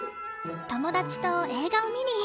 友達と映画を見に。